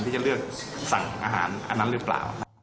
ที่จะเลือกสั่งอาหารอันนั้นหรือเปล่า